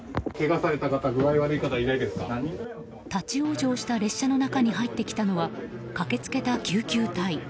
立ち往生した列車の中に入ってきたのはかけつけた救急隊。